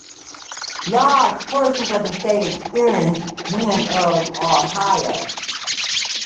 Large portions of the state experienced winds of or higher.